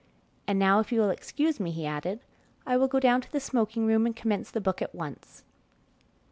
"And now if you will excuse me," he added, "I will go down to the smoking room and commence the book at once."